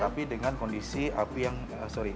tapi dengan kondisi api yang sorry